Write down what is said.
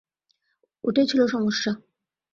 ওটাই ছিল সমস্যা।